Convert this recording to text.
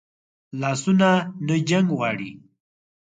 لاسونه نه جنګ غواړي